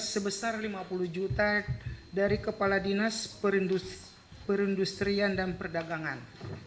sebesar lima puluh juta dari kepala dinas perindustrian dan perdagangan